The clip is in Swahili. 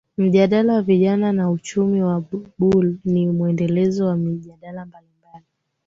Mjadala wa Vijana na Uchumi wa buluu ni muendelezo wa mijadala mbali mbali